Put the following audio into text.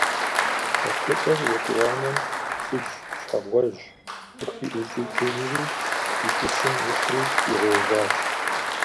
Пхъэтыкъыр етӀуанэм сыдж щхьэгъуэжь къыхиӀущӀыкӀыжри, и кӀыщым ихьри щигъэуващ.